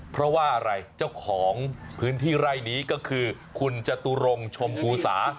เพราะว่าอะไรเจ้าของพื้นที่ไร่นี้ก็คือคุณจตุรงชมภูสา